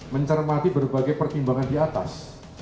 keseluruhan kementerian indonesia dan juga keinginan dan keinginan di atas